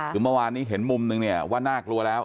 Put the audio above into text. คือเมื่อวานนี้เห็นมุมนึงเนี่ยว่าน่ากลัวแล้ว